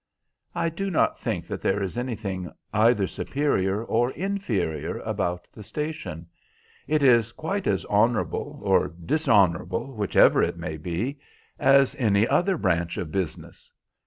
"I do not think that there is anything either superior or inferior about the station. It is quite as honourable, or dishonourable, which ever it may be, as any other branch of business.